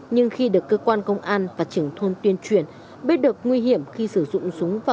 nhưng khi được cơ quan công an và trưởng thôn tuyên truyền biết được nguy hiểm khi sử dụng súng vào